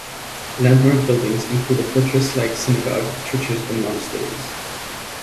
Landmark buildings include a fortress-like synagogue, churches and monasteries.